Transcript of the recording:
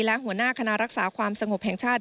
และหัวหน้าคณะรักษาความสงบแห่งชาติ